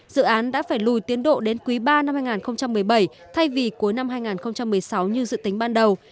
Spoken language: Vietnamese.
dự án đã phải lùi tiến độ đến quý ba năm hai nghìn một mươi bảy thay vì cuối năm hai nghìn một mươi sáu như dự tính ban đầu